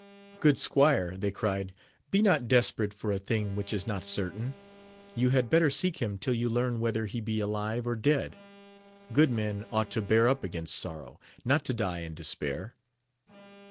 Good Squire, they cried, be not desperate for a thing which is not cer tain : you had better seek him till you learn whether he be alive or dead : good men ought to bear up against sorrow, not to die in despair.